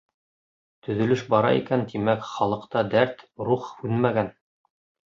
Төҙөлөш бара икән, тимәк, халыҡта дәрт, рух һүнмәгән.